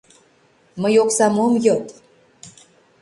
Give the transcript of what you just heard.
— Мый оксам ом йод.